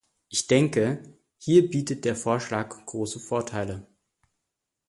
Ich denke, hier bietet der Vorschlag große Vorteile.